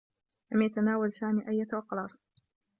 لم يتناول سامي أيّة أقراص.